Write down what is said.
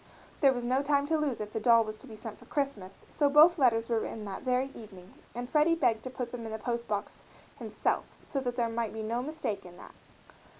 There was no time to lose if the doll was to be sent for Christmas, so both letters were written that very evening and Freddie begged to put them in the post box himself that there might be no mistake in that.